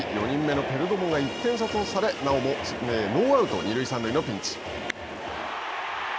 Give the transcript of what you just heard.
４人目のペルドモが１点差とされなおもノーアウト、二塁三塁のピンチ。